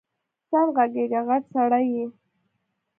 سم غږېږه غټ سړی یې